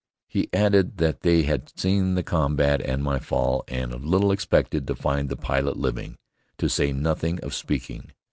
He added that they had seen the combat and my fall, and little expected to find the pilot living, to say nothing of speaking.